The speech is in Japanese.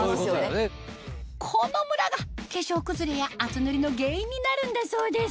このムラが化粧崩れや厚塗りの原因になるんだそうです